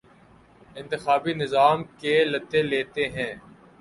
انتخابی نظام کے لتے لیتے ہیں